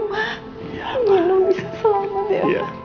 pak pak nino bisa selamat ya